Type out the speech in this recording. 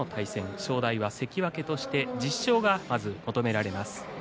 正代は関脇としてまず１０勝が求められます。